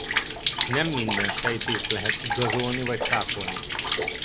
Nem minden sejtést lehet igazolni vagy cáfolni.